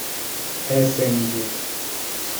Resende